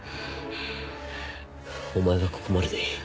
お前はここまででいい。